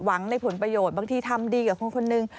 ในผลประโยชน์บางทีทำดีกับคนคนหนึ่ง